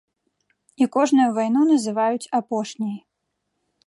І кожную вайну называюць апошняй.